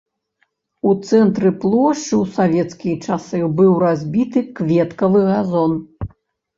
У цэнтры плошчы ў савецкія часы быў разбіты кветкавы газон.